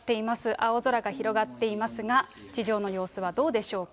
青空が広がっていますが、地上の様子はどうでしょうか。